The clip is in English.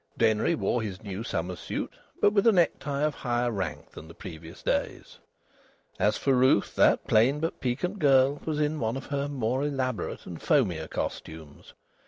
Denry wore his new summer suit, but with a necktie of higher rank than the previous day's. As for Ruth, that plain but piquant girl was in one of her more elaborate and foamier costumes.